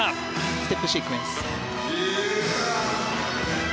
ステップシークエンス。